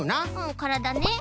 からだね。